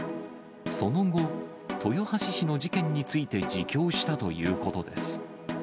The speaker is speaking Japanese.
その後、豊橋市の事件について自供したということです。